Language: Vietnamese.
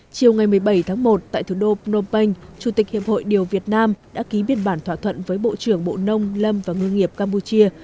chiều ngày một mươi bảy tháng một tại thủ đô phnom penh chủ tịch hiệp hội điều việt nam đã ký biên bản thỏa thuận với bộ trưởng bộ nông lâm và ngư nghiệp campuchia